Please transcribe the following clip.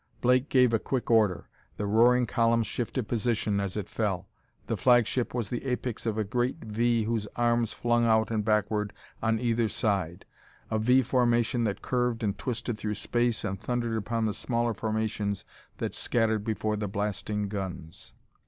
Blake gave a quick order. The roaring column shifted position as it fell: the flagship was the apex of a great V whose arms flung out and backward on either side a V formation that curved and twisted through space and thundered upon the smaller formations that scattered before the blasting guns.